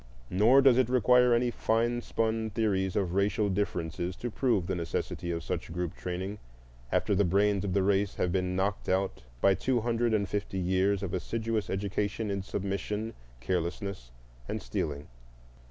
Nor does it require any fine spun theories of racial differences to prove the necessity of such group training after the brains of the race have been knocked out by two hundred and fifty years of assiduous education in submission, carelessness, and stealing.